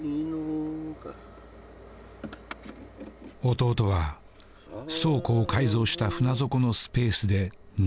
弟は倉庫を改造した船底のスペースで寝る。